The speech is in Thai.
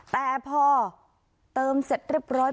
แต่พอเติมเสร็จเรียบร้อย